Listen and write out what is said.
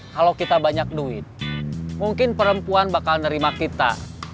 kalau kita banyak duit mungkin perempuan bakal nerima kita